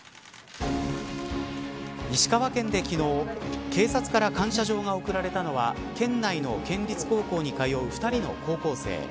石川県で昨日警察から感謝状が贈られたのは県内の県立高校に通う２人の高校生。